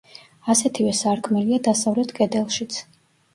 ასეთივე სარკმელია დასავლეთ კედელშიც.